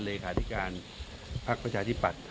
เลยขาธิการภาคประชาธิปัตย์